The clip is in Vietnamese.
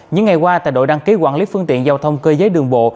những ngày qua tại đội đăng ký quản lý phương tiện giao thông cơ giới đường bộ